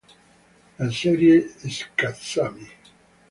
La serie, "Shazam!